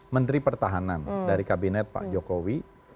menteri pertahanan dari kabinet pak jokowi